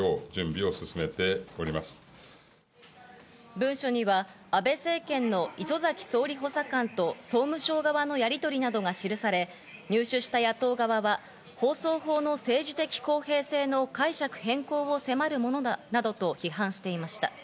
文書には安倍政権の磯崎総理補佐官と総務省側のやりとりなどが記され、入手した野党側は放送法の政治的公平性の解釈変更を迫るものだなどと批判していました。